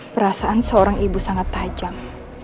perasaan seorang ibu sangat tajam